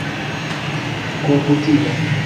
komputila